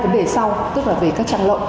hai vấn đề sau tức là về các trang lộn